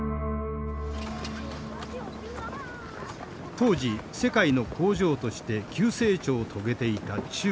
当時世界の工場として急成長を遂げていた中国。